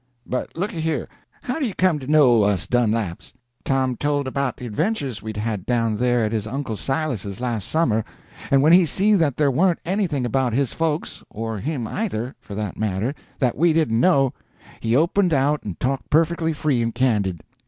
But looky here, how do you come to know us Dunlaps?" Tom told about the adventures we'd had down there at his uncle Silas's last summer, and when he see that there warn't anything about his folks—or him either, for that matter—that we didn't know, he opened out and talked perfectly free and candid.